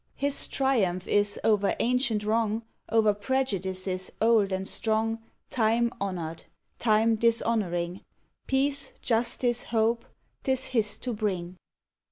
His triumph is o'er ancient wrong, O'er prejudices old and strong, Time honoured; time dishonouring Peace, Justice, Hope, 'tis his to bring.